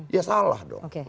ya salah dong